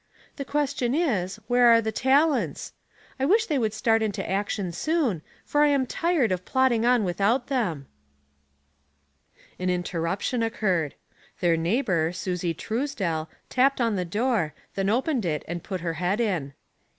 *' The question is, where are the talents? I wish they would start into action soon, for I am tired of plodding on without them." Wai/s and Means, 185 An interruption occurred. Their neighbor, Susie Truesdell, tapped on the door, then opened it and put her head in.